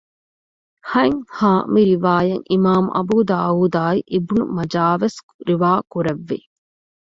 ހަތް ހ މިރިވާޔަތް އިމާމު އަބޫދާއޫދާއި އިބްނު މާޖާވެސް ރިވާކުރެއްވި